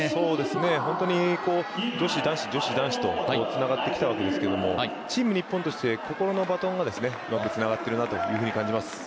本当に女子、男子、女子、男子とつながってきたわけですがチーム日本として心のバトンがよくつながっているなというふうに感じます。